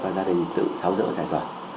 và gia đình tự tháo dỡ giải tỏa